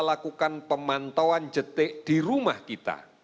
bersama keluarga kita lakukan pemantauan jetik di rumah kita